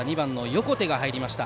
横手が打席に入りました。